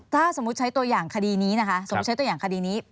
ถ้าสมมุติใช้ตัวอย่างคดีนี้นะคะสมมุติใช้ตัวอย่างคดีนี้